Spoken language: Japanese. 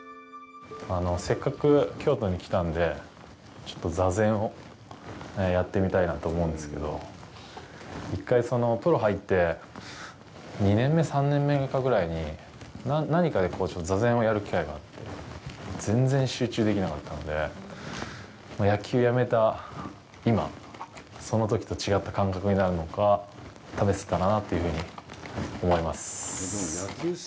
せっかく京都に来たので、ちょっと座禅をやってみたいなと思うんですけど、１回、プロに入って２年目、３年目かぐらいに、何かで座禅をやる機会があって、全然、集中できなかったので、野球をやめた今、そのときと違った感覚になるのか、試せたらなというふうに思います。